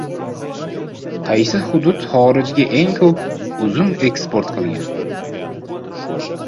Qaysi hudud xorijga eng ko‘p uzum eksport qilgan?